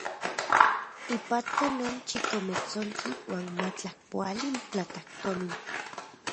Ipatka non chikometsontli uan matlakpoali platajtomin.